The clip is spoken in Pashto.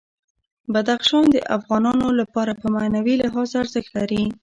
بدخشان د افغانانو لپاره په معنوي لحاظ ارزښت لري.